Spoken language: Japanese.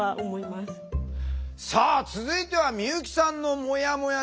さあ続いては美由紀さんのもやもやです。